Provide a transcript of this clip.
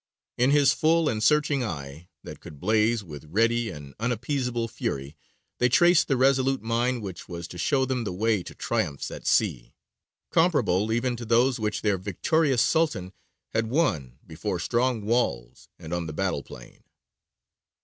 In his full and searching eye, that could blaze with ready and unappeasable fury, they traced the resolute mind which was to show them the way to triumphs at sea, comparable even to those which their victorious Sultan had won before strong walls and on the battle plain.